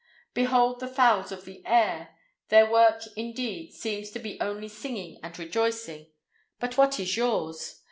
"'Behold the fowls of the air;' their work, indeed, seems to be only singing and rejoicing; but what is yours?